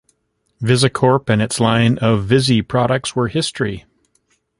VisiCorp, and its line of "VisiProducts", were history.